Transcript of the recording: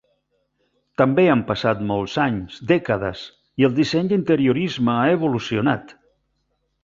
També han passat molts anys, dècades, i el disseny d'interiorisme ha evolucionat.